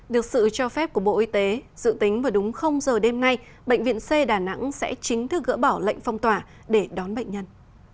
được sự cho phép của bộ y tế dự tính vào đúng giờ đêm nay bệnh viện c đà nẵng sẽ chính thức gỡ bỏ lệnh phong tỏa để đón bệnh nhân